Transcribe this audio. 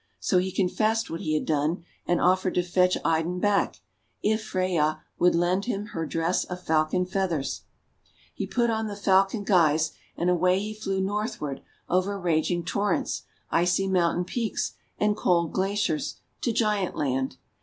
So he confessed what he had done, and offered to fetch Idun back, if Freyja would lend him her dress of falcon feathers. IDUN AND THE MAGIC APPLES 219 He put on the falcon guise, and away he flew northward over raging torrents, icy mountain peaks, and cold glaciers, to Giantland.